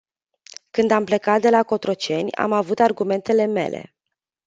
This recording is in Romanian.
Când am plecat de la Cotroceni, am avut argumentele mele.